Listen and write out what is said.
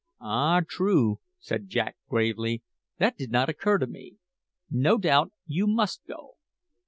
"Ah, true!" said Jack gravely; "that did not occur to me. No doubt you must go.